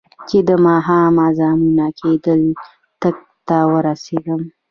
چې د ماښام اذانونه کېدل، ټک ته ورسېدم.